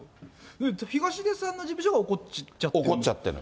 東出さんの事務所が怒っちゃってるの？